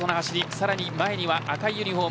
さらに前には赤いユニホーム。